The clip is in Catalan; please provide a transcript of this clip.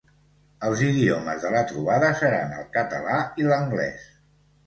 Els idiomes de la trobada seran el català i l'anglès.